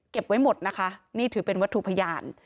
ไว้หมดนะคะนี่ถือเป็นวัตถุพยาน